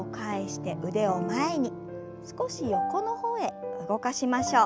少し横の方へ動かしましょう。